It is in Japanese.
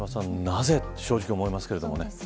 なぜと正直思いますけどね。